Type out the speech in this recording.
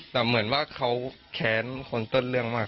แต่เหมือนว่าเขาแค้นคนต้นเรื่องมาก